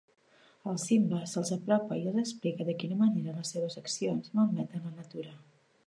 El Simba se'ls apropa i els explica de quina manera les seves accions malmeten la natura.